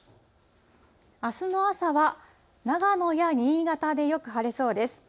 あすの朝は、長野や新潟でよく晴れそうです。